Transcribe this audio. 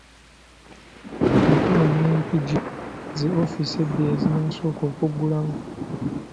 Mukono ne Mpigi ze ofiisi ebbiri ezinaasooka okuggulawo.